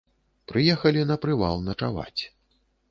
Прыехалі на прывал начаваць.